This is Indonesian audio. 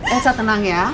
elsa tenang ya